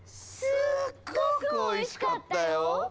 すっごくおいしかったよ！